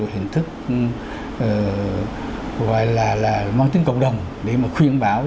hình thức gọi là mo tính cộng đồng để mà khuyên bảo